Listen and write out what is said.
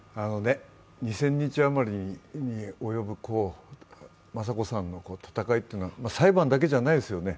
２０００日余りに及ぶ雅子さんの闘いというのは裁判だけじゃないですよね。